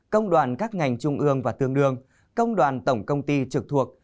công đoàn các ngành trung ương và tương đương công đoàn tổng công ty trực thuộc